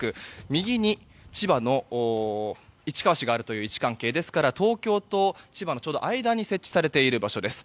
右に、千葉の市川市があるという位置関係なので東京と千葉のちょうど間に設置されている場所です。